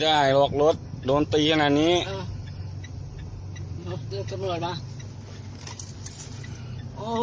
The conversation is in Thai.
แก้งจำรวจตรงเนี้ยอะไรวะหนึ่งก้าวหนึ่งเอ้าโทร